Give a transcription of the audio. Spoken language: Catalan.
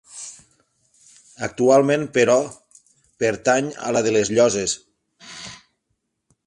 Actualment, però, pertany a la de les Llosses.